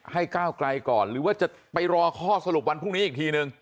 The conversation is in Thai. ก้าวไกลก่อนหรือว่าจะไปรอข้อสรุปวันพรุ่งนี้อีกทีนึง